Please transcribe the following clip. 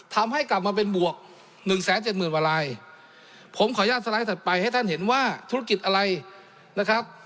ทำให้กลับมาเป็นบวกหนึ่งแสนเจ็ดหมื่นกว่าลายผมขออนุญาตสไลด์ถัดไปให้ท่านเห็นว่าธุรกิจอะไรนะครับ